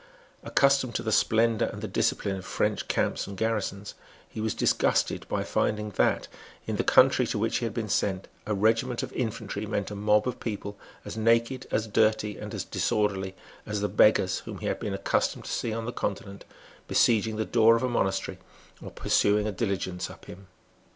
Accustomed to the splendour and the discipline of French camps and garrisons, he was disgusted by finding that, in the country to which he had been sent, a regiment of infantry meant a mob of people as naked, as dirty and as disorderly as the beggars, whom he had been accustomed to see on the Continent besieging the door of a monastery or pursuing a diligence up him.